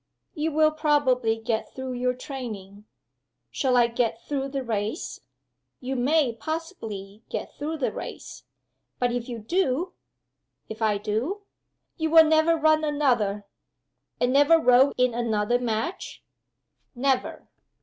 "You will probably get through your training." "Shall I get through the race?" "You may possibly get through the race. But if you do " "If I do?" "You will never run another." "And never row in another match?" "Never."